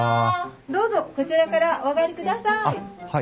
どうぞこちらからお上がりください。